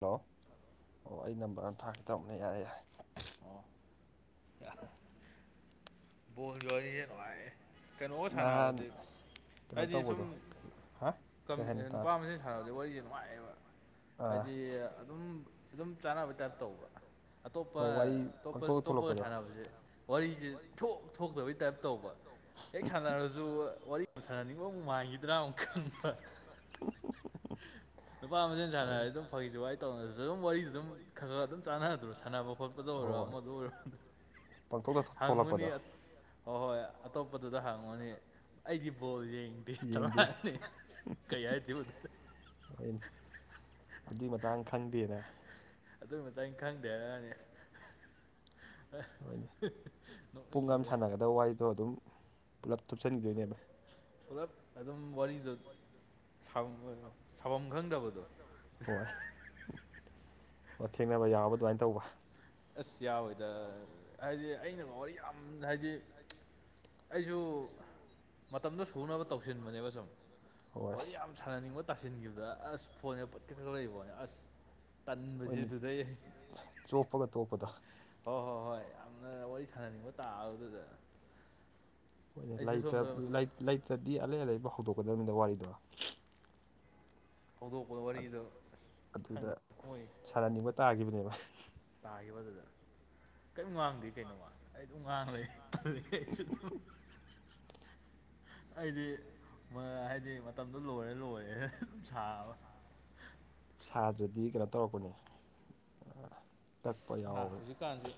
hello ꯑꯣ ꯑꯩ number ꯑꯃ ꯊꯥꯔꯛꯀꯦ ꯇꯧꯕꯅꯦ ꯌꯥꯔꯦ ꯌꯥꯔꯦ ꯑꯣ [unintelligible] ꯕꯣꯜꯒꯤ ꯋꯔꯤꯖꯦ ꯅꯨꯡꯉꯥꯏꯌꯦ ꯀꯩꯅꯣꯒ ꯅꯍꯥꯟ ꯁꯥꯟꯅꯕꯗꯤ ꯀꯩꯅꯣ ꯑꯩꯗꯤ ꯁꯨꯝ ꯇꯧꯕꯗꯣ ꯍꯥ ꯀꯩ ꯍꯥꯏꯅꯣ ꯇꯥꯗ꯭ꯔꯦ ꯅꯨꯄꯥ ꯃꯁꯦꯟ ꯁꯥꯟꯅꯕꯗꯤ ꯋꯥꯔꯤꯁꯦ ꯅꯨꯡꯉꯥꯏꯑꯦꯕ ꯑꯥ ꯍꯥꯏꯗꯤ ꯑꯗꯨꯝ ꯑꯗꯨꯝ ꯆꯥꯟꯅꯕ ꯇꯥꯏꯞ ꯇꯧꯕ ꯑꯇꯣꯞꯄ ꯍꯣꯏ ꯋꯥꯔꯤ ꯇꯣꯞꯄ ꯄꯪꯊꯣꯛꯇ ꯇꯣꯞꯄꯒ ꯊꯣꯛꯂꯛꯄꯗꯣ ꯁꯥꯟꯅꯕꯁꯦ ꯋꯥꯔꯤꯁꯦ ꯏꯊꯣꯛ ꯊꯣꯛꯇꯕꯩ ꯇꯥꯏꯞ ꯇꯧꯕ ꯍꯦꯛ ꯁꯥꯟꯅꯔꯁꯨ ꯋꯥꯔꯤ ꯌꯥꯝ ꯁꯥꯟꯅꯅꯤꯡꯕ ꯑꯃꯨꯛ ꯃꯥꯏꯈꯤꯗ꯭ꯔꯥ ꯑꯃꯨꯛ ꯈꯟꯕ [unintelligible] ꯅꯨꯄꯥ ꯃꯁꯦꯜ ꯋꯥꯔꯤ ꯁꯥꯟꯅꯔꯦ ꯑꯗꯨꯝ ꯐꯥꯒꯤꯖꯨꯋꯥꯏ ꯇꯧꯅꯔꯁꯨ ꯑꯗꯨꯝ ꯋꯥꯔꯤꯗꯨ ꯑꯗꯨꯝ ꯈꯔ ꯈꯔ ꯑꯗꯨꯝ ꯆꯥꯟꯅꯗ꯭ꯔꯣ ꯁꯥꯟꯅꯕ ꯈꯣꯠꯄ ꯗ ꯑꯣꯏꯔꯣ ꯑꯃꯗ ꯑꯣꯏꯔ ꯄꯥꯡꯊꯣꯛꯗ ꯍꯪꯉꯨꯅꯤ ꯑꯣ ꯍꯣꯏ ꯑꯇꯣꯞꯄꯗꯨꯗ ꯍꯪꯉꯨꯅꯤ ꯑꯩꯗꯤ ꯕꯣꯜ ꯌꯦꯡ ꯑꯦ ꯌꯦꯡꯗꯦ ꯇꯧꯔꯛꯑꯅꯤ ꯀꯩ ꯍꯥꯏꯗꯣꯏꯕ ꯗꯨꯗ ꯍꯣꯏꯅꯦ ꯑꯗꯨꯏ ꯃꯇꯥꯡ ꯈꯪꯗꯦꯅ ꯑꯗꯨꯏ ꯃꯇꯥꯡ ꯈꯪꯗꯦ ꯍꯥꯏꯔꯅꯤ ꯍꯣꯏꯅꯦ ꯄꯨꯡ ꯑꯝ ꯅꯣꯛꯅꯤꯡꯉꯤꯗ ꯁꯥꯟꯅꯒꯗꯕ ꯋꯥꯔꯤꯗꯣ ꯑꯗꯨꯝ ꯄꯨꯂꯞ ꯊꯨꯞꯆꯟꯈꯤꯗꯣꯏꯅꯦꯕ ꯄꯨꯂꯞ ꯑꯗꯨꯝ ꯋꯥꯔꯤꯗꯣ ꯁꯥꯕꯝ ꯈꯪꯗꯕꯗꯣ ꯍꯣꯏ ꯑꯣ ꯊꯦꯡꯅꯕ ꯌꯥꯎꯔꯕ ꯑꯗꯨꯃꯥꯏꯅ ꯇꯧꯕ ꯑꯁ ꯌꯥꯎꯋꯤꯗ ꯍꯥꯏꯗꯤ ꯑꯩꯅꯒ ꯋꯥꯔꯤ ꯌꯥꯝ ꯍꯥꯏꯗꯤ ꯑꯩꯁꯨ ꯃꯇꯝꯗꯣ ꯁꯨꯅꯕ ꯇꯧꯁꯤꯟꯕꯅꯦꯕ ꯁꯨꯝ ꯍꯣꯏ ꯋꯥꯔꯤꯌꯥꯝ ꯁꯥꯟꯅꯅꯤꯡꯕ ꯇꯥꯁꯤꯟꯈꯤꯕꯗ ꯑꯁ ꯐꯣꯟꯅꯦ ꯄꯠ ꯈꯛ ꯂꯩꯣꯅꯦ ꯑꯁ ꯇꯟꯕꯖꯦ ꯍꯣꯏꯅꯦ ꯑꯗꯨꯗꯩ ꯑꯩ ꯆꯣꯞꯄꯒ ꯇꯣꯞꯄꯗ ꯍꯣꯏ ꯍꯣꯏ ꯍꯣꯏ ꯌꯥꯝꯅ ꯋꯥꯔꯤ ꯁꯥꯟꯅꯅꯤꯡꯕ ꯇꯥꯕꯗꯨꯗ ꯍꯣꯏꯅꯦ ꯑꯩꯁꯨ ꯁꯣꯝꯗ ꯂꯩꯇꯔ ꯂꯩꯠ ꯂꯩꯇ꯭ꯔꯗꯤ ꯑꯂꯩ ꯑꯂꯩꯕ ꯍꯧꯗꯣꯛꯀꯗꯕꯅꯤꯅ ꯋꯥꯔꯤꯗꯣ ꯍꯧꯗꯣꯛꯄꯗ ꯋꯥꯔꯤꯗꯣ ꯑꯁ ꯑꯗꯨꯗ ꯁꯪꯗ ꯃꯣꯏ ꯁꯥꯟꯅꯅꯤꯡꯕ ꯇꯥꯒꯤꯕꯅꯦꯕ ꯇꯥꯒꯤꯕꯗꯨꯗ ꯀꯩꯝ ꯉꯥꯡꯗꯦ ꯀꯩꯅꯣꯃꯥ ꯑꯩ ꯑꯗꯨꯝ ꯉꯥꯡꯕ ꯂꯩ ꯇꯜꯂꯦ ꯑꯩꯁꯨ ꯑꯗꯨꯝ ꯑꯩꯗꯤ ꯍꯥꯏꯗꯤ ꯃꯇꯝꯗꯣ ꯂꯣꯏꯔ ꯂꯣꯏꯔꯦ ꯑꯗꯨꯝ ꯁꯥꯕ ꯁꯥꯗ꯭ꯔꯗꯤ ꯀꯩꯅꯣ ꯇꯧꯔꯛꯄꯅꯦ ꯀꯛꯄ ꯑꯁ ꯅ ꯌꯥꯎꯕꯅꯦ ꯍꯧꯖꯤꯛ ꯀꯥꯟꯁꯦ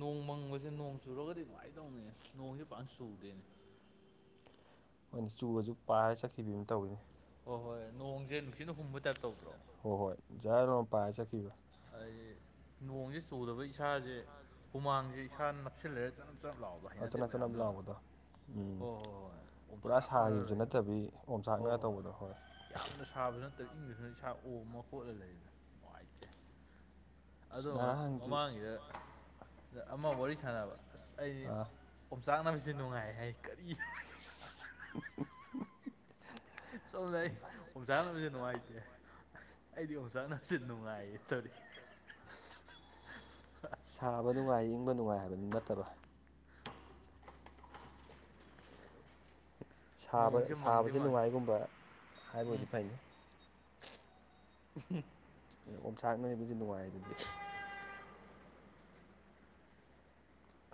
ꯅꯣꯡ ꯃꯪꯕꯁꯦ ꯅꯣꯡ ꯆꯨꯔꯒꯗꯤ ꯅꯨꯡꯉꯥꯏꯗꯧꯅꯦ ꯅꯣꯡꯁꯦ ꯄꯥꯛ ꯆꯨꯗꯦꯅꯦ ꯍꯣꯏꯅꯦ ꯆꯨꯔꯖꯨ ꯄꯥꯏꯔ ꯆꯠꯈꯤꯕ ꯑꯃ ꯇꯧꯋꯅꯦ ꯍꯣꯏ ꯍꯣꯏ ꯅꯣꯡꯖꯦ ꯅꯨꯡꯁꯤꯠꯅ ꯍꯨꯝꯕꯩ ꯇꯥꯏꯞ ꯇꯧꯗ꯭ꯔꯣ ꯍꯣꯏ ꯍꯣꯏ ꯌꯥꯏꯔꯣꯝ ꯄꯥꯏꯔ ꯆꯠꯈꯤꯕ ꯑꯗꯤ ꯅꯣꯡꯁꯦ ꯆꯨꯗꯕ ꯏꯁꯥꯖꯦ ꯍꯨꯃꯥꯡꯖꯦ ꯏꯁꯥꯅ ꯅꯞꯁꯤꯜꯂꯒ ꯆꯅꯞ ꯆꯅꯞ ꯂꯥꯎ ꯑ ꯆꯅꯞ ꯆꯅꯞ ꯂꯥꯎꯕꯗꯣ ꯎꯝ ꯍꯣꯏ ꯍꯣꯏ ꯍꯣꯏ ꯄꯨꯔꯥ ꯑꯣꯝꯆꯥꯛꯅꯔ ꯁꯥꯒꯤꯕꯁꯨ ꯂꯩꯕꯗꯣ ꯅꯠꯇꯕꯤ ꯑꯣꯝꯆꯥꯛꯅ ꯇꯧꯕꯗꯣ ꯍꯣꯏ ꯌꯥꯝꯅ ꯁꯥꯕꯁꯨ ꯅꯠꯇ꯭ꯔ ꯏꯪꯕꯁꯨꯅ ꯏꯁꯥ ꯑꯣꯃ ꯍꯣꯠꯂ ꯂꯩꯗꯅ ꯅꯨꯡꯉꯥꯏꯇꯦ ꯑꯗꯣ ꯉꯔꯥꯡꯗꯤ ꯃꯃꯥꯡꯒꯤꯗ ꯑꯃ ꯋꯥꯔꯤ ꯁꯥꯟꯅꯕ ꯑꯁ ꯑꯩꯗꯤ ꯑꯣꯝꯆꯥꯛꯅꯕꯁꯤ ꯅꯨꯡꯉꯥꯏ ꯍꯥꯏ ꯀꯔꯤ ꯁꯤꯁꯁ ꯎꯝꯞ ꯁꯣꯝꯗ ꯑꯩ ꯑꯣꯝꯆꯥꯛꯅꯕꯖꯦ ꯅꯨꯡꯉꯥꯏꯇꯦ ꯑꯩꯗꯤ ꯑꯣꯝꯆꯥꯛꯅꯁꯨ ꯅꯨꯡꯉꯥꯏꯌꯦ ꯇꯧꯔꯤ ꯁꯥꯕ ꯅꯨꯡꯉꯥꯏ ꯏꯪꯕ ꯅꯨꯡꯉꯥꯏ ꯍꯥꯏꯕꯗꯨ ꯅꯠꯇꯕ ꯁꯥꯕ ꯅꯣꯡꯁꯦ ꯃꯪꯗꯤ ꯁꯥꯕꯕꯖꯦ ꯃꯪꯉꯤ ꯅꯨꯡꯉꯥꯏꯒꯨꯝꯕ ꯍꯥꯏꯕ ꯎꯝ ꯑꯣꯏꯗꯤ ꯐꯩ ꯎꯍꯨꯝ ꯑꯣꯝꯆꯥꯛꯅꯩꯕꯁꯤ ꯅꯨꯡꯉꯥꯏ ꯔꯗꯤ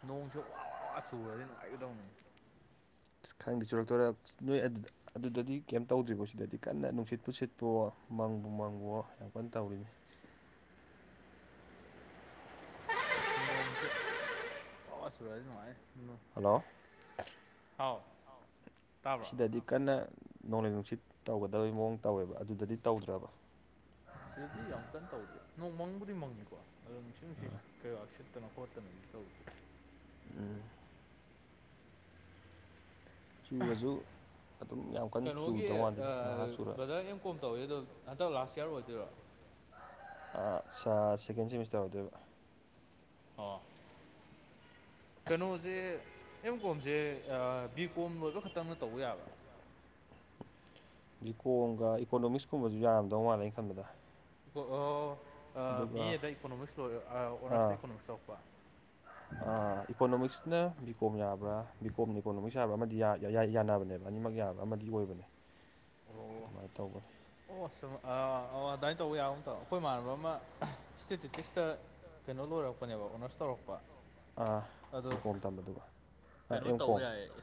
ꯅꯣꯡꯁꯦ ꯋꯥ ꯋꯥ ꯋꯥ ꯆꯨꯔꯗꯤ ꯅꯨꯡꯉꯥꯏꯒꯗꯧꯅꯤ ꯈꯪꯗꯦ ꯆꯨꯔꯛꯇꯣꯔ ꯅꯣꯏ ꯑꯗꯨꯗ ꯑꯗꯨꯗꯗꯤ ꯀꯩꯝ ꯇꯧꯗ꯭ꯔꯤꯕꯣꯁꯤꯗꯗꯤ ꯀꯟꯅ ꯅꯨꯡꯁꯤꯠ ꯄꯨꯁꯤꯠꯄꯣ ꯃꯪꯕꯨ ꯃꯪꯕꯣ ꯌꯥꯝ ꯀꯟꯅ ꯇꯧꯔꯤꯅꯦ [unintelligible] ꯋꯥ ꯋꯥ ꯋꯥ ꯆꯨꯔꯛꯑꯗꯤ ꯅꯨꯡꯉꯥꯏꯌꯦ ꯅꯣꯡ ꯍꯜꯂꯥꯎ ꯊꯥꯎ ꯁꯤꯗꯗꯤ ꯀꯟꯅ ꯅꯣꯡꯂꯩ ꯅꯨꯡꯁꯤꯠ ꯇꯧꯒꯗꯕꯩ ꯃꯑꯣꯡ ꯇꯧꯋꯦꯕ ꯑꯗꯨꯗꯗꯤ ꯇꯧꯗ꯭ꯔꯕ ꯁꯤꯗꯗꯤ ꯌꯥꯝ ꯀꯟꯅ ꯇꯧꯗꯦ ꯅꯣꯡ ꯃꯪꯕꯨꯗꯤ ꯃꯪꯉꯤꯀꯣ ꯑꯗꯣ ꯅꯨꯡꯁꯤꯠ ꯅꯨꯡꯁꯤꯖꯤ ꯀꯩꯌꯥꯁꯤꯠꯇꯅ ꯈꯣꯠꯇꯅꯗꯤ ꯇꯧꯗꯦ ꯎꯝ ꯑꯍ ꯆꯨꯔꯁꯨ ꯑꯗꯨꯝ ꯌꯥꯝ ꯀꯟꯅ ꯀꯅꯣꯒꯤ ꯆꯨꯗꯧ ꯃꯥꯟꯗꯦ ꯑ ꯉꯥꯏꯍꯥꯛ ꯆꯨꯔ ꯕꯖꯔ ꯑꯦꯝ ꯀꯣꯝ ꯇꯧꯋꯦ ꯑꯗꯨꯝ ꯍꯟꯗꯛ ꯂꯥꯁ ꯌꯥꯔ ꯑꯣꯏꯗꯣꯏꯔꯣ ꯑ ꯁꯥ ꯁꯦꯀꯦꯟ ꯁꯦꯃꯤꯁꯇꯔ ꯑꯣꯏꯗꯣꯏꯕ ꯍ ꯀꯩꯅꯣꯁꯦ ꯑꯦꯝ ꯀꯣꯝꯁꯦ ꯕꯤ ꯀꯣꯝ ꯂꯣꯏꯕ ꯈꯛꯇꯪꯅ ꯇꯧꯕ ꯌꯥꯕ꯭ꯔꯥ ꯕꯤ ꯀꯣꯝꯒ ꯏꯀꯣꯅꯣꯃꯤꯛꯁꯀꯨꯝꯕꯁꯨ ꯌꯥꯔꯝꯗꯧ ꯃꯥꯜꯂꯦꯑꯩꯅ ꯈꯟꯕꯗ ꯑꯣꯑꯣ ꯑ ꯑꯗꯨꯒ ꯕꯤ ꯑꯦꯗ ꯏꯀꯣꯅꯣꯃꯤꯛꯁ ꯂꯣꯏꯔ ꯑ ꯑꯣꯅꯔꯁꯇ ꯑꯥ ꯏꯀꯣꯅꯣꯃꯤꯛꯁ ꯇꯧꯔꯛꯄ ꯏꯀꯣꯅꯣꯃꯤꯛꯁꯅ ꯕꯤ ꯀꯣꯝ ꯌꯥꯕ꯭ꯔꯥ ꯕꯤ ꯀꯣꯝꯅ ꯏꯀꯣꯅꯣꯃꯤꯛꯁ ꯌꯥꯕ꯭ꯔꯥ ꯑꯃꯗꯤ ꯌꯥ ꯌꯥ ꯌꯥꯅꯕꯅꯦꯕ ꯑꯅꯤꯃꯛ ꯌꯥꯕ꯭ꯔꯥ ꯑꯃꯗꯤ ꯑꯣꯏꯕꯅꯦ [unintelligible] ꯑꯗꯨꯃꯥꯏ ꯇꯧꯕꯅꯦ ꯑꯣ ꯁꯨꯝ ꯑ ꯑꯣ ꯑꯗꯨꯃꯥꯏꯅ ꯇꯧꯕ ꯌꯥꯕ ꯑꯃꯇꯧ ꯑꯈꯣꯏ ꯏꯃꯥꯟꯅꯕ ꯑꯃ ꯏꯁꯇꯦꯇꯤꯇꯤꯛꯁꯇ ꯀꯩꯅꯣ ꯂꯣꯏꯔꯛꯄꯅꯦꯕ ꯑꯣꯅꯔꯁ ꯇꯧꯔꯛꯄ ꯑꯥ ꯑꯗꯣ ꯕꯤꯀꯣꯝ ꯇꯝꯕꯗꯨꯒ ꯑꯥ ꯀꯩꯅꯣ ꯑꯦꯝ ꯇꯧ ꯀꯣꯝ ꯌꯥꯏꯌꯦꯌꯦ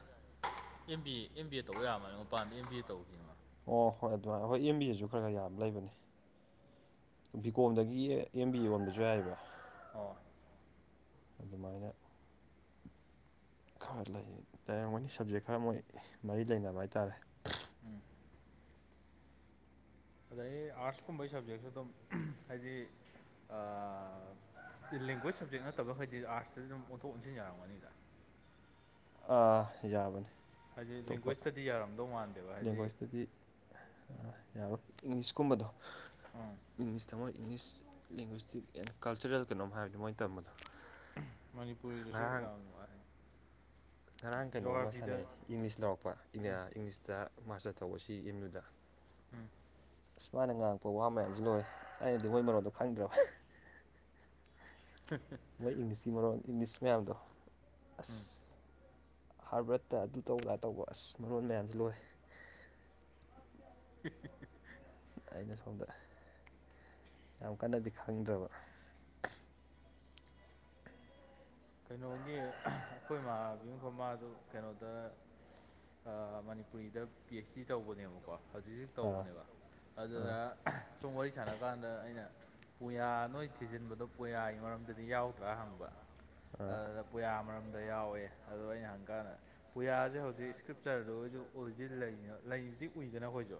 M B A M B A ꯇꯧꯕ ꯌꯥꯃꯥꯜꯂ ꯃꯄꯥꯟꯗ ꯑꯦꯝ ꯕꯤ ꯑꯦ ꯇꯧꯔꯤꯌꯦ ꯃꯥ ꯑꯣ ꯍꯣꯏ ꯑꯗꯨꯃꯥꯏꯅ ꯑꯍꯣꯏ ꯑꯦꯝ ꯕꯤ ꯑꯦꯁꯨ ꯈꯔ ꯈꯔ ꯌꯥꯕ ꯂꯩꯕꯅꯦ ꯕꯤ ꯀꯣꯝꯗꯒꯤ ꯑꯦꯝ ꯕꯤ ꯑꯦ ꯑꯣꯟꯕꯁꯨ ꯌꯥꯏꯑꯦꯕꯥ ꯑꯣ ꯑꯗꯨꯃꯥꯏꯅ ꯈꯔ ꯂꯩꯌꯦ ꯂꯩꯔꯝꯒꯅꯤ ꯁꯞꯖꯦꯛ ꯈꯔ ꯃꯣꯏ ꯃꯔꯤ ꯂꯩꯅꯕ ꯍꯥꯏꯇꯥꯔꯦ ꯎꯝ ꯑꯗꯩ ꯑꯥꯔꯠꯁꯀꯨꯝꯕꯒꯤ ꯁꯕꯖꯦꯛꯁꯨ ꯑꯗꯨꯝ ꯎꯝ ꯍꯥꯏꯗꯤ ꯑꯥ ꯏꯂꯦꯡꯒ꯭ꯋꯦꯖ ꯁꯕꯖꯦꯛ ꯅꯠꯇꯕꯈꯩꯗꯤ ꯑꯥꯔꯠꯁꯇꯁꯨ ꯑꯗꯨꯝ ꯑꯣꯟꯊꯣꯛ ꯑꯣꯟꯁꯤꯟ ꯌꯥꯔꯝꯒꯅꯤꯗ ꯑ ꯌꯥꯕꯅꯤ ꯍꯥꯏꯗꯤ ꯑꯇꯣꯞꯄ ꯂꯦꯡꯒ꯭ꯋꯦꯖꯇꯗꯤ ꯌꯥꯔꯝꯗꯧ ꯃꯥꯟ ꯂꯦꯡꯒ꯭ꯋꯦꯖꯇꯗꯤ ꯑ ꯌꯥꯔꯣꯏ ꯏꯪꯂꯤꯁꯀꯨꯝꯕꯗꯣ ꯑꯝ ꯏꯪꯂꯤꯁꯇ ꯃꯣꯏ ꯏꯪꯂꯤꯁ ꯂꯦꯡꯒ꯭ꯌꯨꯁꯇꯤꯛ ꯑꯦꯟ ꯀꯜꯆꯔꯦꯜ ꯀꯩꯅꯣꯝ ꯍꯥꯏꯕꯅꯤ ꯃꯣꯏꯅ ꯇꯝꯕꯗꯣ ꯑꯨꯝꯍ ꯃꯅꯤꯄꯨꯔꯤꯗꯁꯨ ꯉꯔꯥꯡ ꯌꯥꯝ ꯅꯨꯡꯉꯥꯏ ꯉꯔꯥꯡ ꯀꯩꯅꯣ ꯑꯃ ꯖꯣꯒ꯭ꯔꯥꯐꯤꯗ ꯁꯥꯟꯅꯩ ꯏꯪꯂꯤꯁ ꯂꯧꯔꯛꯄ ꯎꯝ ꯏꯪꯂꯤꯁꯇ ꯃꯥꯁꯇꯔ ꯇꯧꯕꯁꯤ ꯑꯦꯝ ꯌꯨꯗ ꯎꯝ ꯑꯁ ꯃꯥꯅ ꯉꯥꯡꯉꯛꯄ ꯋꯥ ꯃꯌꯥꯝꯁꯤ ꯂꯣꯏꯔꯦ ꯑꯩꯅꯗꯤ ꯃꯣꯏ ꯃꯔꯣꯟꯗꯣ ꯈꯪꯗ꯭ꯔꯕ ꯍꯍꯥ ꯃꯣꯏ ꯏꯪꯂꯤꯁꯀꯤ ꯃꯔꯣꯟ ꯏꯪꯂꯤꯁ ꯃꯌꯥꯝꯗꯣ ꯎꯝ ꯑꯁ ꯍꯥꯔꯕꯔꯠꯇ ꯑꯗꯨ ꯇꯧ ꯑꯗꯥ ꯇꯧꯕ ꯑꯁ ꯃꯔꯣꯟ ꯃꯌꯥꯝꯁꯤ ꯂꯣꯏꯔꯦ ꯍꯤꯍꯤ ꯑꯩꯅ ꯁꯣꯝꯗ ꯑꯍ ꯌꯥꯝ ꯀꯟꯅꯗꯤ ꯈꯪꯗ꯭ꯔꯕ ꯀꯩꯅꯣꯒꯤ ꯑꯩꯈꯣꯏ ꯏꯃꯥꯕꯤ ꯑꯃ ꯈꯃꯗꯨ ꯀꯩꯅꯣꯗ ꯑꯁ ꯃꯅꯤꯄꯨꯔꯤꯗ ꯄꯤ ꯑꯩꯆ ꯗꯤ ꯇꯧꯕꯅꯦꯕꯀꯣ ꯍꯧꯖꯤꯛ ꯍꯧꯖꯤꯛ ꯑꯥ ꯇꯧꯕꯅꯦꯕ ꯑꯥ ꯑꯗꯨꯗ ꯁꯨꯝ ꯋꯥꯔꯤ ꯁꯥꯟꯅ ꯀꯥꯟꯗ ꯑꯩꯅ ꯄꯨꯌꯥ ꯅꯣꯏ ꯊꯤꯖꯤꯟꯕꯗꯣ ꯄꯨꯌꯥꯒꯤ ꯃꯔꯝꯗꯗꯤ ꯌꯥꯎꯗ꯭ꯔꯥ ꯍꯪꯕ ꯑꯥ ꯑꯗꯨꯗ ꯄꯨꯌꯥ ꯃꯔꯝꯗ ꯌꯥꯎꯋꯦ ꯑꯗꯨꯗꯣ ꯑꯩꯅ ꯍꯪꯀꯥꯟꯗ ꯄꯨꯌꯥꯁꯦ ꯍꯧꯖꯤꯛ ꯏꯁꯀ꯭ꯔꯤꯞꯇꯔꯗꯨ ꯑꯣꯏꯗꯤ ꯂꯩꯕꯗꯤ ꯎꯏꯗꯅ ꯑꯩꯈꯣꯏꯁꯨ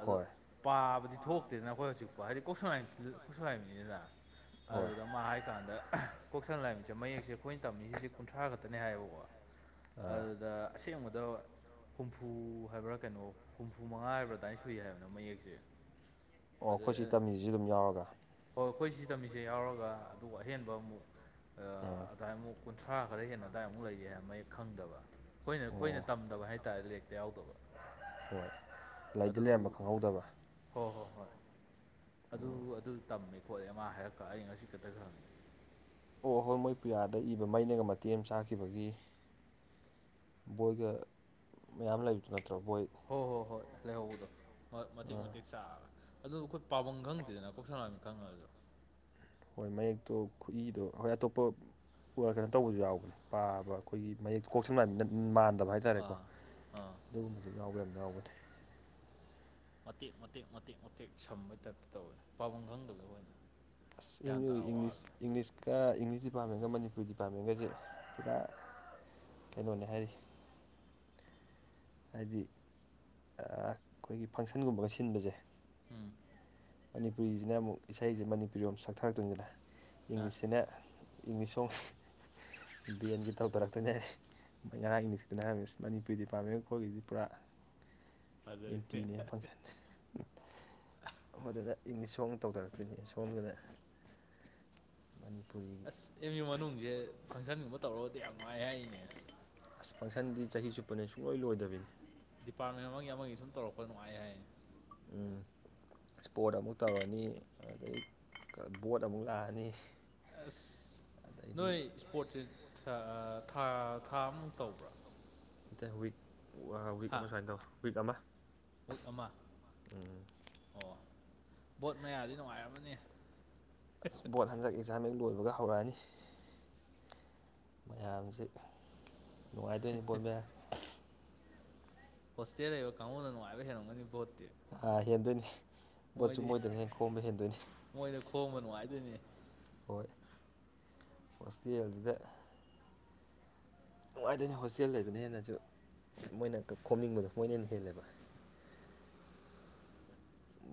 ꯑꯗꯣ ꯄꯥꯕꯗꯤ ꯊꯣꯛꯇꯦꯗꯅ ꯑꯩꯈꯣꯏ ꯍꯧꯖꯤꯛꯄꯥꯎ ꯍꯥꯏꯗꯤ ꯀꯁꯂ ꯀꯣꯏꯁꯂꯥꯏ ꯃꯤꯅꯤꯅ ꯍꯣꯏ ꯑꯗꯨꯗ ꯃꯥ ꯍꯥꯏꯀꯥꯟꯗ ꯀꯣꯛꯁꯪ ꯂꯥꯏꯝꯁꯦ ꯃꯌꯦꯛ ꯑꯩꯈꯣꯏꯅ ꯇꯝꯃꯤꯁꯤꯗꯤ ꯀꯨꯟꯊ꯭ꯔꯥ ꯈꯛꯇꯅꯦ ꯍꯥꯏꯌꯦꯕꯀꯣ ꯑꯥ ꯑꯗꯨꯗ ꯑꯁꯦꯡꯕꯗ ꯍꯨꯝꯐꯨ ꯍꯥꯏꯕ꯭ꯔꯥ ꯀꯩꯅꯣ ꯍꯨꯝꯐꯨ ꯃꯉꯥ ꯍꯥꯏꯕ꯭ꯔꯥ ꯑꯗꯨꯃꯏ ꯁ ꯁꯨꯏ ꯍꯥꯏꯕꯅ ꯃꯌꯦꯛꯁꯦ ꯑꯣ ꯑꯩꯈꯣꯏ ꯁꯤ ꯐꯖꯩꯦ ꯇꯝꯃꯤꯁꯤꯁꯨ ꯑꯗꯨꯝ ꯌꯥꯎꯔꯒ ꯍꯣꯏ ꯑꯩꯈꯣꯏ ꯁꯤ ꯇꯝꯃꯤꯁꯦ ꯌꯥꯎꯔꯒ ꯑꯗꯨꯒ ꯑꯍꯦꯟꯕ ꯑꯃꯨꯛ ꯎꯝ ꯑꯗꯨꯏꯃꯨꯛ ꯀꯨꯟꯊ꯭ꯔꯥ ꯈꯔ ꯍꯦꯟꯅ ꯑꯗꯨꯋꯥꯏ ꯑꯃꯨꯛ ꯂꯩꯒꯤ ꯍꯥꯏ ꯃꯌ‌ꯦꯛ ꯈꯪꯗꯕ ꯑꯩꯈꯣꯏꯅ ꯑꯣ ꯑꯩꯈꯣꯏꯅ ꯇꯝꯗꯕ ꯍꯥꯏꯇꯥꯥꯔꯦ ꯂꯩ ꯌꯥꯎꯗꯕ ꯍꯣꯏ ꯂꯩꯗꯤ ꯑꯗꯨ ꯂꯩꯔꯝꯕ ꯈꯪꯍꯧꯗꯕ ꯍꯣꯏ ꯍꯣꯏ ꯍꯣꯏ ꯑꯗꯨ ꯑꯗꯨ ꯇꯝꯃꯦ ꯈꯣꯠꯂꯦ ꯃꯥ ꯍꯥꯏꯔꯛꯀ ꯑꯩ ꯉꯁꯤ ꯈꯛꯇ ꯈꯪꯉꯤ ꯍ‌ꯣꯏ ꯍꯣꯏ ꯃꯣꯏ ꯄꯨꯌꯥꯗ ꯏꯕ ꯃꯩꯅꯒ ꯃꯇꯦꯛ ꯑꯃ ꯆꯥꯛꯈꯤꯕꯒꯤ ꯕꯣꯏꯒ ꯃꯌꯥꯝ ꯂꯩꯕꯗꯨ ꯅꯠꯇ꯭ꯔꯣ ꯕꯣꯏ ꯍꯣꯏ ꯍꯣꯏ ꯍꯣꯏ ꯂꯩꯍꯧꯕꯗꯣ ꯃꯇꯦꯛ ꯑꯥ ꯃꯇꯦꯛ ꯆꯥꯛꯑꯒ ꯑꯗꯨ ꯑꯩꯈꯣꯏ ꯄꯥꯐꯝ ꯈꯪꯗꯦꯗꯅ ꯀꯣꯛ ꯁꯝ ꯂꯥꯏ ꯃꯤꯠ ꯈꯪꯉꯁꯨ ꯍꯣꯏ ꯃꯌꯦꯛꯇꯣ ꯈꯨꯠꯏꯗꯣ ꯍꯣꯏ ꯑꯇꯣꯞꯄ ꯀꯩꯅꯣ ꯇꯧꯕꯁꯨ ꯌꯥꯎꯕꯅꯤ ꯄꯥꯕ ꯑꯩꯈꯣꯏꯒꯤ ꯃꯌꯦꯛ ꯀꯣꯛ ꯁꯝ ꯂꯥꯏ ꯃꯤꯠ ꯃꯥꯟꯗꯕ ꯍꯥꯏꯇꯔ‌ꯦ ꯍꯥꯏꯇꯥꯔꯦꯀꯣ ꯑꯥ ꯑꯥ ꯑꯗꯨꯒꯨꯝꯕꯁꯨ ꯌꯥꯎꯕ ꯌꯥꯝ ꯌꯥꯎꯕꯅꯤ ꯃꯇꯦꯛ ꯃꯇꯦꯛ ꯃꯇꯦꯛ ꯃꯇꯦꯛ ꯁꯝꯕꯩ ꯇꯥꯏꯞꯇ ꯇꯧꯋꯦ ꯄꯥꯐꯝ ꯈꯪꯗꯕ ꯑꯣꯏꯌ‌ꯦ ꯑꯁ ꯑꯦꯝ ꯌꯨ ꯏꯪꯂꯤꯁ ꯏꯪꯪꯂꯤꯁ ꯀ ꯏꯪꯂꯤꯁ ꯗꯤꯄꯥꯔꯠꯃꯦꯟꯒ ꯃꯅꯤꯄꯨꯔꯤ ꯗꯤꯄꯥꯔꯠꯃꯦꯟꯒꯁꯦ ꯄꯨꯔꯥ ꯀꯩꯅꯣꯅꯦ ꯍꯥꯏꯔꯤ ꯍꯥꯏꯗꯤ ꯑꯥ ꯑꯩꯈꯣꯏꯒꯤ ꯐꯪꯁꯟꯒꯨꯝꯕꯒ ꯁꯤꯟꯕꯁꯦ ꯎꯝ ꯃꯅꯤꯄꯨꯔꯤ ꯒꯤꯁꯤꯅ ꯑꯃꯨꯛ ꯏꯁꯩꯁꯦ ꯃꯅꯤꯄꯨꯔꯤꯔꯣꯝ ꯁꯛꯊꯔꯛꯇꯣꯏꯅꯤꯅ ꯑ ꯏꯪꯂꯤꯁꯁꯤꯅ ꯏꯪꯂꯤꯁ ꯁ‌ꯣꯡ ꯕ‌ꯦꯟꯒ ꯇꯧꯊꯔꯛꯇꯣꯏꯅꯦ ꯍꯥꯏ ꯃ‌ꯣꯏ ꯉꯔꯥꯡ ꯏꯪꯂꯤꯁꯒꯤꯗꯨꯅ ꯍꯥꯏꯔꯝꯃ‌ꯦ ꯃꯅꯤꯄꯨꯔꯤ ꯗꯤꯄꯥꯔꯠꯃꯦꯟ ꯑꯩꯈ‌ꯣꯏꯒꯗꯤ ꯄꯨꯔꯥ ꯐꯖꯔꯤꯅ‌ꯦ ꯑꯦꯟꯇꯤꯅꯦ ꯑ ꯑꯗꯨꯗ ꯏꯪꯂꯤꯁ ꯁꯣꯡ ꯇꯧꯊꯔꯛꯇꯣꯏꯅꯤ ꯁꯣꯝꯗꯅ ꯃꯅꯤꯄꯨꯔꯤ ꯑꯁ ꯑꯦꯝ ꯌꯨ ꯃꯅꯨꯡꯁꯦ ꯐꯪꯁꯟꯒꯨꯝꯕ ꯇꯧꯔꯒꯗꯤ ꯌꯥꯝ ꯅꯨꯜꯉꯥꯏ ꯍꯥꯏꯔꯤꯅꯦ ꯑꯁ ꯐꯪꯁꯟꯗꯤ ꯆꯍꯤ ꯆꯨꯞꯄꯅ‌ꯦ ꯁꯨꯡꯂꯣꯏ ꯂꯣꯏꯗꯕꯅꯤ ꯗꯤꯄꯥꯔꯠꯃꯦꯟ ꯑꯃꯒꯤ ꯑꯃꯒꯤ ꯁꯨꯝ ꯇꯧꯔꯛꯄꯗ ꯅꯨꯡꯉꯥꯏ ꯍꯥꯏꯌ‌ꯦ ꯎꯝ [inaudible] ꯏꯁꯄꯣꯔꯠ ꯑꯃꯨꯛ ꯇꯧꯔꯅꯤ ꯑꯗꯩ ꯕꯣꯠ ꯑꯃꯨꯛ ꯂꯥꯛꯑꯅꯤ ꯑꯁ ꯅꯣꯏ ꯑꯗꯩꯗꯤ ꯏꯁꯄꯣꯔꯠꯁ ꯊꯥ ꯊꯥ ꯑꯃ ꯃꯨꯛ ꯇꯧꯕ꯭ꯔ‌ꯣ ꯅꯠꯇꯦ ꯋꯤꯛ ꯑꯥ ꯋꯤꯛ ꯍꯥ ꯑꯃ ꯁꯨꯃꯥꯏꯅ ꯇꯧꯕꯅꯤ ꯋꯤꯛ ꯑꯃ ꯋꯤꯛ ꯑꯃ ꯎꯝ ꯑꯣ ꯕꯣꯠ ꯃꯌꯥꯗꯤ ꯅꯨꯡꯉꯥꯏꯔꯝꯃꯅꯤ ꯑꯁ ꯕꯣꯠ ꯍꯟꯗꯛ ꯑꯦꯛꯖꯥꯝ ꯌ‌ꯦꯛ ꯂꯣꯏꯕꯒ ꯍꯧꯔꯛꯑꯅꯤ ꯃꯌꯥꯝꯁꯦ ꯅꯨꯡꯉꯥꯏꯗꯣꯏꯅꯤ ꯕ‌ꯣꯠ ꯃꯌꯥ ꯍꯣꯁꯇꯦꯜ ꯂꯩꯕ ꯀꯥꯡꯕꯨꯅ ꯅꯨꯡꯉꯥꯏꯕ ꯍꯦꯜꯂꯝꯒꯅꯤ ꯕ‌ꯣꯠꯇꯤ ꯑꯥ ꯍꯦꯟꯗꯣꯏꯅꯤ ꯕꯣꯠꯁꯨ ꯃꯣꯏꯗꯅ ꯍ‌ꯦꯟꯅ ꯈꯣꯝꯕ ꯍꯦꯟꯗꯣꯏꯅꯤ ꯃꯣꯏꯗ ꯈꯣꯝꯕ ꯅꯨꯡꯉꯥꯏꯗꯣꯏꯅꯦ ꯍꯣꯏ ꯍ‌ꯣꯁꯇ‌ꯦꯜꯁꯤꯗ ꯅꯨꯡꯉꯥꯏꯗꯣꯏꯅꯤ ꯍꯣꯁꯇꯦꯜ ꯂꯩꯕꯅ ꯍꯦꯟꯅꯁꯨ ꯃꯣꯏꯅ ꯈꯣꯝꯅꯤꯡꯕꯗꯣ ꯃꯣꯏꯅ ꯍꯦꯟꯅ ꯍꯦꯜꯂꯦꯕ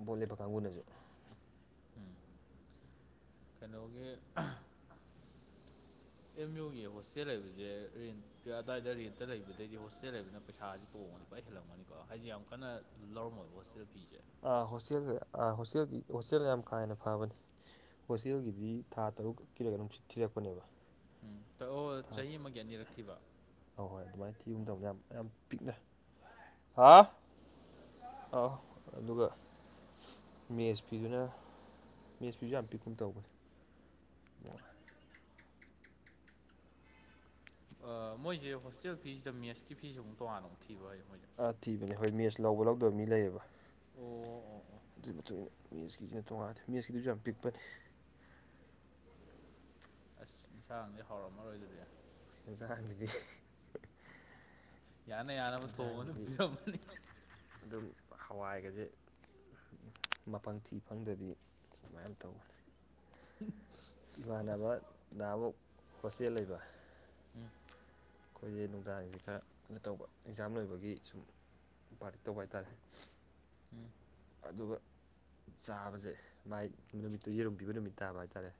ꯕꯣꯠ ꯂꯦꯞꯄ ꯀꯥꯡꯕꯨꯅꯁꯨ ꯎꯝ ꯀꯩꯅꯣꯒꯤ ꯑꯦꯝ ꯌꯨꯒꯤ ꯍꯣꯁꯇꯦꯜ ꯂꯩꯕꯁꯦ ꯔꯦꯟ ꯑꯗꯥꯏꯗ ꯔꯦꯟꯇ ꯂꯩꯕꯗꯩꯗꯤ ꯍꯣꯁꯇꯦꯜ ꯂꯩꯕꯅꯤꯅ ꯄꯩꯁꯥꯁꯤ ꯇꯣꯡꯉꯅꯤ ꯂꯣꯏ ꯍꯦꯜꯂꯝꯒꯅꯤꯀꯣ ꯍꯥꯏꯗꯤ ꯌꯥꯝ ꯀꯟꯅ ꯂꯧꯔꯝꯃ‌ꯣꯏꯕ ꯍꯣꯁꯇꯦꯜ ꯐꯤꯁꯦ ꯑꯥ ꯍꯣꯁꯇꯦꯜ ꯑꯥ ꯍꯣꯁꯇꯦꯜꯒꯤ ꯍꯣꯁꯇꯦꯜ ꯌꯥꯝ ꯀꯥ ꯍꯦꯟꯅ ꯐꯕꯅꯤ ꯍꯣꯁꯇꯦꯜꯒꯤꯗꯤ ꯊꯥ ꯇꯔꯨꯛ ꯀꯤꯔ ꯀꯩꯅ‌ꯣꯝ ꯊꯤꯔꯛꯄꯅꯦꯕ ꯎꯝ ꯇ ꯑꯣ ꯆꯍꯤ ꯑꯃꯒꯤ ꯑꯅꯤꯔꯛ ꯊꯤꯕ ꯍ‌ꯣ ꯍꯣꯏ ꯑꯗꯨꯃꯥꯏꯅ ꯊꯤꯒꯨꯝ ꯇꯧꯕꯅꯤ ꯌꯥꯝ ꯌꯥꯝ ꯄꯤꯛꯅ ꯍꯥꯎ ꯑ ꯑꯗꯨꯒ ꯃꯦꯁ ꯐꯤꯗꯨꯅ ꯃꯦꯁ ꯐꯤꯁꯨ ꯌꯥꯝ ꯄꯤꯛꯀꯨꯝ ꯇꯧꯕꯅꯤ ꯑꯣ ꯑꯥ ꯃꯣꯏꯁꯦ ꯍꯣꯁꯇꯦꯜ ꯐꯤꯁꯤꯗ ꯃꯦꯠꯁꯀꯤ ꯐꯤꯁ‌ꯦ ꯑꯃꯨꯛ ꯇꯣꯉꯥꯟꯅ ꯑꯃꯨꯛ ꯊꯤꯕ‌ꯔ‌ꯣ ꯍꯥꯏꯁ‌ꯦ ꯃꯣꯏꯁꯦ ꯑꯥ ꯊꯤꯕꯅꯦ ꯍꯣꯏ ꯃꯦꯠꯆ ꯂꯧꯕ ꯂꯧꯗꯕ ꯃꯤ ꯂꯩꯌꯦꯕ ꯑꯣ ꯑꯣ ꯑꯣ ꯑꯗꯨꯒꯤ ꯃꯇꯨꯡ ꯏꯟꯅ ꯃꯦꯠꯁꯀꯤꯁꯦ ꯇꯣꯡꯉꯦ ꯃꯦꯁꯀꯤꯗꯨꯁꯨ ꯌꯥꯝ ꯄꯤꯛꯄꯠ ꯑꯁ ꯏꯟꯁꯥꯡꯗꯤ ꯍꯥꯎꯔꯝꯃꯔꯣꯏ ꯗꯨꯗꯤ ꯏꯁꯗꯤ ꯌꯥꯅ ꯌꯥꯅꯕ ꯊꯣꯡꯕ ꯑꯗꯨꯝ ꯄꯤꯔꯝꯃꯅꯤ ꯑꯗꯨꯝ ꯍꯋꯥꯏꯒꯁꯦ ꯃꯄꯪꯊꯤ ꯐꯪꯗꯕꯤ ꯁꯨꯃꯥꯏꯅ ꯇꯧꯋꯅꯤ ꯎꯝ ꯏꯃꯥꯟꯅꯕꯗ ꯑꯃꯨꯛ ꯍꯣꯁꯇꯦꯜ ꯂꯩꯕ ꯎꯝ ꯑꯩꯈꯣꯏꯁꯦ ꯅꯨꯡꯗꯥꯡꯁꯦ ꯈꯔ ꯀꯩꯅꯣ ꯇꯧꯕ ꯑꯦꯛꯖꯥꯝ ꯂꯣꯏꯕꯒꯤ ꯁꯨꯝ ꯄꯥꯔ ꯇꯧꯕ ꯍꯥꯏꯇꯥꯔꯦ ꯎꯝ ꯑꯗꯨꯒ ꯆꯥꯕꯁꯦ ꯃꯥꯏ ꯅꯨꯃꯤꯠꯇꯨ ꯌꯦꯔꯨꯝ ꯄꯤꯕ ꯅꯨꯃꯤꯠ ꯇꯥꯕ ꯍꯥꯏꯇꯥꯔꯦ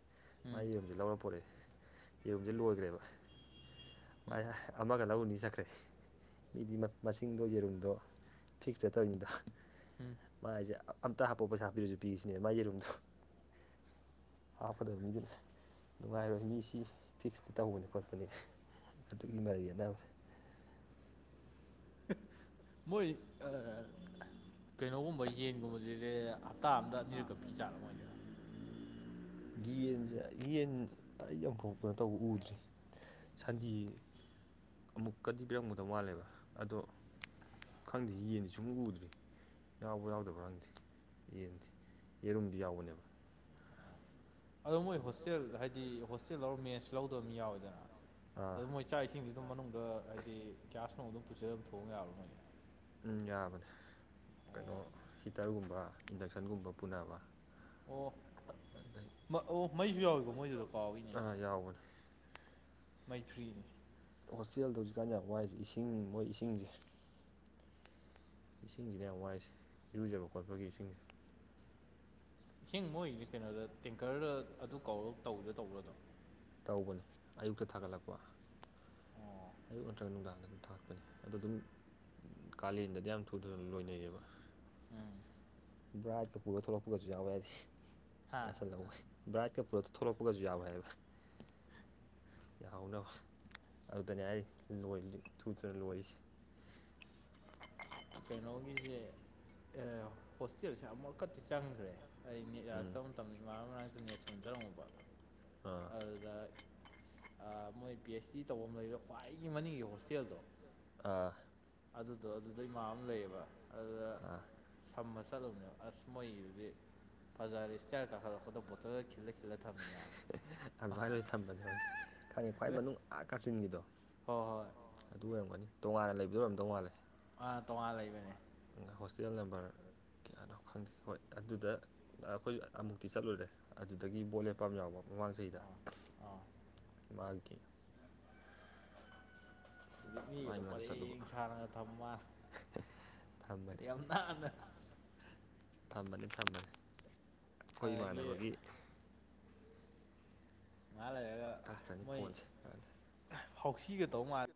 ꯎꯝ ꯃꯥꯒꯤ ꯌꯦꯔꯨꯝꯁꯦ ꯂꯧꯔ ꯄꯣꯔꯛꯑꯦ ꯌꯦꯔꯨꯝꯁꯦ ꯂꯣꯏꯈ꯭ꯔꯦꯕ ꯑꯃꯒ ꯂꯧꯅꯤ ꯆꯠꯈ꯭ꯔꯦ ꯃꯤꯗꯤ ꯃꯁꯤꯡꯗꯣ ꯌꯦꯔꯨꯝꯗꯣ ꯐꯤꯛꯁꯇꯠꯇꯧꯔꯤꯅꯤꯗꯣ ꯎꯝ ꯃꯁꯦ ꯑꯝꯇ ꯍꯥꯄꯛꯑꯣ ꯄꯩꯁ ꯍꯥꯞꯄꯤꯔꯁꯨ ꯄꯤꯁꯁꯤꯅꯦ ꯃꯥꯒꯤ ꯌꯦꯔꯨꯝꯗꯣ ꯍꯥꯞꯀꯗꯕ ꯃꯤꯗꯨꯅ ꯅꯨꯡꯉꯥꯏꯔꯣꯏ ꯃꯤꯁꯤ ꯐꯤꯛꯁꯇ ꯇꯧꯕꯅꯤ ꯈꯣꯠꯄꯅꯤ ꯑꯗꯨꯛꯒꯤ ꯃꯔꯤ ꯑꯅꯁꯦ ꯃꯣꯏ ꯀꯩꯅꯣꯒꯨꯝꯕ ꯌꯦꯟꯒꯨꯝꯕꯁꯤ ꯁꯦ ꯍꯞꯇꯥ ꯑꯝꯗ ꯑꯅꯤꯔꯛ ꯀ ꯄꯤ ꯆꯥꯔꯝꯃꯣꯏꯅꯦ ꯌꯦꯟꯁꯦ ꯌꯦꯟ ꯑꯩ ꯌꯥꯝꯐꯥꯎꯇꯅ ꯇꯧꯕ ꯎꯗ꯭ꯔꯤ ꯁꯟꯊꯤ ꯑꯃꯨꯛꯀꯗꯤ ꯄꯤꯔꯝꯒꯗꯧ ꯃꯥꯜꯂꯦꯕ ꯑꯗꯣ ꯈꯪꯗꯦ ꯌꯦꯟꯗꯤ ꯁꯨꯝ ꯎꯗ꯭ꯔꯤ ꯌꯥꯎꯕ꯭ꯔꯥ ꯌꯥꯎꯗꯕ꯭ꯔꯥ ꯈꯪꯗꯦ ꯌꯦꯟ ꯌꯦꯔꯨꯝꯗꯤ ꯌꯥꯎꯕꯅꯦꯕ ꯑꯣ ꯑꯗꯣ ꯃꯣꯏ ꯑꯗꯨꯒ ꯍꯣꯁꯇꯦꯜ ꯍꯥꯏꯗꯤ ꯍꯣꯁꯇꯦꯜ ꯑꯔ ꯃꯦꯟꯁ ꯂꯧꯗꯕ ꯑꯃ ꯌꯥꯎꯋꯦꯗꯅ ꯑꯥ ꯑꯗꯨ ꯃꯣꯏ ꯏꯆꯥ ꯏꯁꯤꯡꯁꯤꯗꯨꯝ ꯃꯅꯨꯡꯗ ꯍꯥꯏꯗꯤ ꯒ꯭ꯌꯥꯁ ꯅꯨꯡ ꯑꯗꯨꯝ ꯄꯨꯁꯜꯂ ꯑꯃ ꯊꯣꯛꯣꯡꯑ ꯌꯥꯕ꯭ꯔꯥ ꯅꯣꯏꯒꯤ ꯎꯝ ꯌꯥꯕꯅꯦ ꯀꯩꯅꯣ ꯑꯣ ꯍꯤꯇꯔꯒꯨꯝꯕ ꯏꯟꯗꯛꯁꯟꯒꯨꯝꯕ ꯄꯨꯅꯕ ꯑꯣ ꯑꯗꯩ ꯑꯣ ꯃꯩꯁꯨ ꯌꯥꯎꯏꯕ ꯃꯣꯏꯗꯨꯗ ꯀꯥꯎꯏꯅꯦ ꯑꯥ ꯌꯥꯎꯕꯅꯦ ꯃꯩꯈ꯭ꯔꯤ ꯍꯣꯁꯇꯦꯜꯗ ꯍꯧꯖꯤꯛꯀꯥꯟ ꯌꯥꯝ ꯋꯥꯏꯁꯦ ꯏꯁꯤꯡ ꯃꯣꯏ ꯏꯁꯤꯡꯁꯦ ꯏꯁꯤꯡꯁꯤꯅ ꯍ ꯋꯥꯏꯁꯦ ꯏꯔꯨꯖꯕ ꯈꯣꯠꯄꯒꯤ ꯏꯁꯤꯡꯁꯦ ꯏꯁꯤꯡ ꯃꯣꯏꯁꯦ ꯀꯩꯅꯣꯗ ꯇꯦꯡꯀꯔꯗ ꯑꯗꯨ ꯀꯧꯔꯒ ꯇꯧꯗ ꯇꯧꯕꯗꯣ ꯇꯧꯕꯅꯤ ꯑꯌꯨꯛꯇ ꯊꯥꯒꯠꯂꯛꯄ ꯑꯣ ꯑꯌꯨꯛ ꯅꯠꯇ꯭ꯔꯒ ꯅꯨꯡꯗꯥꯡꯗ ꯑꯗꯨꯝ ꯊꯥꯛꯛꯄꯅꯤ ꯑꯗꯣ ꯑꯗꯨꯝ ꯀꯥꯂꯦꯟꯗꯗꯤ ꯌꯥꯝ ꯊꯨ ꯊꯨꯅ ꯂꯣꯏꯅꯩꯌꯦꯕ ꯎꯝ ꯕ꯭ꯔꯥꯏꯠꯀ ꯄꯨꯔ ꯊꯣꯛꯂꯛꯄꯒꯁꯨ ꯌꯥꯎꯋꯦ ꯍꯥꯏꯗꯤ ꯍꯥ ꯌꯥꯁꯜꯍꯧꯣꯏ ꯕ꯭ꯔꯥꯏꯠꯀ ꯄꯣꯠꯇ ꯊꯣꯛꯂꯛꯄꯒꯁꯨ ꯌꯥꯎꯋ ꯍꯥꯏꯌꯦꯕ ꯌꯥꯎꯅꯕ ꯑꯗꯨꯗꯅꯦ ꯑꯩ ꯊꯨꯗꯅ ꯂꯣꯏꯔꯤꯁꯦ ꯀꯩꯅꯣꯒꯤꯁꯦ ꯍꯣꯁꯇꯦꯜꯁꯦ ꯑꯃꯨꯛꯀꯛꯇꯤ ꯆꯪꯈ꯭ꯔꯦ ꯑꯩ ꯅꯦꯠ ꯎꯝ ꯌꯥꯔꯛꯇꯕ ꯃꯇꯝꯗ ꯃꯔꯥꯡ ꯃꯔꯅꯥꯛꯇ ꯅꯦꯠ ꯁꯣꯟꯖꯔꯝꯕ ꯑꯥ ꯑꯗꯨꯗ ꯃꯣꯏ ꯄꯤ ꯑꯩꯆ ꯗꯤ ꯇꯧꯐꯝ ꯂꯩ ꯈ꯭ꯋꯥꯏꯗꯒꯤ ꯃꯅꯤꯡꯒꯤ ꯍꯣꯁꯇꯦꯜꯗꯣ ꯑꯥ ꯑꯗꯨꯗꯣ ꯑꯗꯨꯗꯩ ꯃꯥ ꯑꯃ ꯂꯩꯌꯦꯕ ꯑꯗꯨꯗ ꯑꯥ ꯁꯝꯕ ꯆꯠꯂꯨꯕꯅꯦꯕ ꯑꯁ ꯃꯣꯏꯒꯤꯗꯨꯗꯤ ꯕꯖꯥꯔ ꯏꯁꯇꯇꯥꯜ ꯀꯥꯈꯠꯂꯛꯄꯗ ꯕꯣꯇꯜꯗ ꯈꯤꯜꯂꯛꯈꯤ ꯑꯗꯨꯃꯥꯏꯅ ꯂꯣꯏꯅ ꯊꯝꯕꯅꯦ ꯍꯧꯖꯤꯛ ꯈꯪꯉꯦ ꯈ꯭ꯋꯥꯏ ꯃꯅꯨꯡ ꯑꯥ ꯀꯥꯆꯤꯟꯒꯤꯗꯣ ꯍꯣꯏ ꯍꯣꯏ ꯑꯗꯨ ꯑꯣꯏꯔꯝꯒꯅꯤ ꯇꯣꯉꯥꯟꯅ ꯂꯩꯕꯗ ꯑꯣꯏꯔꯝꯗꯧ ꯃꯥꯜꯂꯦ ꯑꯥ ꯇꯣꯉꯥꯟ ꯂꯩꯕꯅꯦ ꯍꯣꯁꯇꯦꯜ ꯅꯝꯕꯔ ꯀꯌꯥꯅꯣ ꯈꯪꯗꯦ ꯍꯣꯏ ꯑꯗꯨꯗ ꯑꯩꯈꯣꯏ ꯑꯃꯨꯛꯇꯤ ꯆꯠꯂꯨꯔꯦ ꯑꯗꯨꯗꯒꯤ ꯕꯣꯠ ꯂꯦꯞꯄꯥꯝ ꯌꯥꯎꯕ ꯃꯃꯥꯡ ꯆꯍꯤꯗ ꯑꯥ ꯑꯥ ꯃꯥꯦ ꯃꯥꯏ ꯖꯤꯛꯅꯤꯒꯗꯣ ꯃꯅꯥꯛꯇ ꯆꯠꯂꯨꯕ ꯄꯔꯦꯡ ꯁꯥꯅꯒ ꯊꯝꯃ ꯌꯥꯝ ꯅꯥꯟꯅ ꯊꯝꯕꯅꯤ ꯊꯝꯃꯅꯤ ꯑꯩꯈꯣꯏ ꯑꯗꯒꯤ ꯏꯃꯥꯟꯅꯕꯒꯤ ꯉꯥ ꯂꯩꯔꯒ ꯇꯠꯈ꯭ꯔꯅꯤ ꯐꯣꯟꯁꯦꯗ ꯍꯥꯎꯁꯤꯒꯗꯧ ꯃꯥꯜꯂꯦ